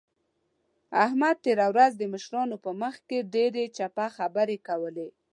احمد تېره ورځ د مشرانو په مخ کې ډېرې چپه خبرې کولې.